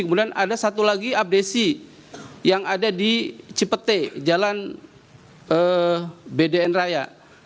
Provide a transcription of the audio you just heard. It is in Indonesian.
kemudian ada satu lagi abdesi yang ada di cipete jalan bdn raya